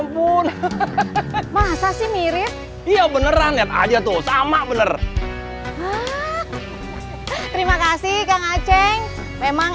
pun masa sih mirip iya beneran lihat aja tuh sama bener terima kasih kang aceh memang